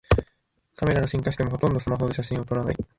カメラが進化してもほとんどスマホで写真を撮らない